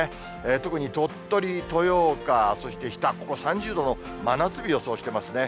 特に鳥取、豊岡、そして日田、３０度の真夏日予想してますね。